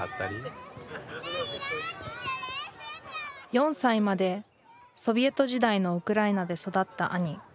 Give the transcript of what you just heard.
４歳までソビエト時代のウクライナで育った兄。